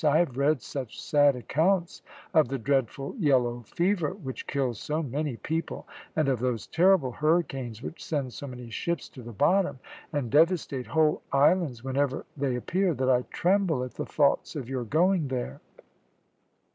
"I have read such sad accounts of the dreadful yellow fever which kills so many people, and of those terrible hurricanes which send so many ships to the bottom, and devastate whole islands whenever they appear, that I tremble at the thoughts of your going there."